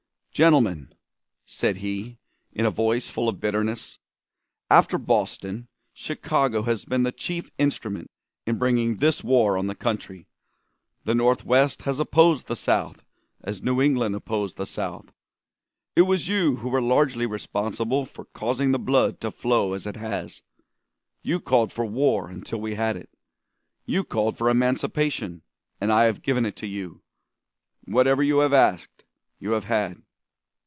"'Gentlemen,' said he, in a voice full of bitterness, 'after Boston, Chicago has been the chief instrument in bringing this war on the country. The Northwest has opposed the South as New England opposed the South. It was you who were largely responsible for causing the blood to flow as it has. You called for war until we had it. You called for emancipation, and I have given it to you. Whatever you have asked, you have had.